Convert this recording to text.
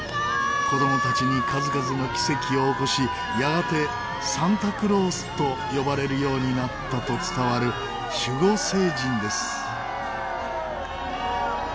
子供たちに数々の奇跡を起こしやがてサンタクロースと呼ばれるようになったと伝わる守護聖人です。